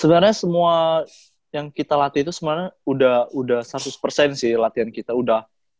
sebenarnya semua yang kita latih itu sebenarnya udah seratus persen sih latihan kita udah